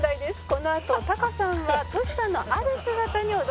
このあとタカさんはトシさんのある姿に驚きます。